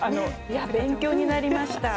勉強になりました。